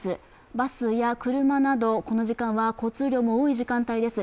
バスや車などこの時間は交通量も多い時間帯です。